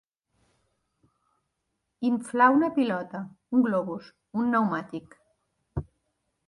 Inflar una pilota, un globus, un pneumàtic.